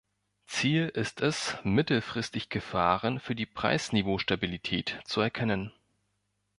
Ziel ist es, mittelfristig Gefahren für die Preisniveaustabilität zu erkennen.